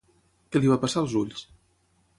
Què li va passar als ulls?